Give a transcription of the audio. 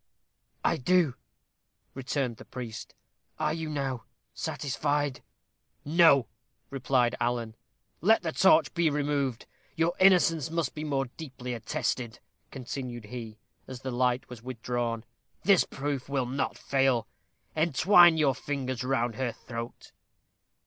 "I do," returned the priest; "are you now satisfied?" "No," replied Alan. "Let the torch be removed. Your innocence must be more deeply attested," continued he, as the light was withdrawn. "This proof will not fail. Entwine your fingers round her throat."